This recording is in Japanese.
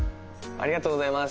ありがとうございます。